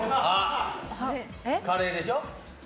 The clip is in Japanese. カレーでしょ。